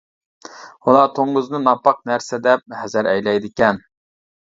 ئۇلار توڭگۇزنى ناپاك نەرسە دەپ ھەزەر ئەيلەيدىكەن.